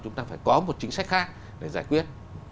chúng ta phải có một chính sách khác để giải quyết